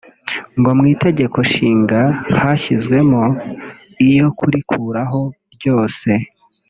ngo mu Itegeko Nshinga hashyizwemo iyo kurikuraho ryose